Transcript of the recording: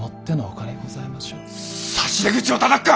差し出口をたたくか！